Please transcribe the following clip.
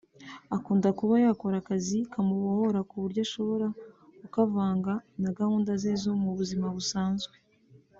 Akunda kuba yakora akazi kamubohora ku buryo ashobora kukavanga na gahunda ze zo mu buzima busanzwe